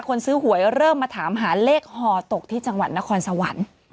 คนซื้อหวยเริ่มมาถามหาเลขฮอตกที่จังหวัดนครสวรรค์